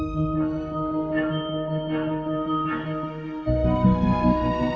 sampai jumpa di video selanjutnya